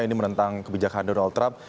ini menentang kebijakan donald trump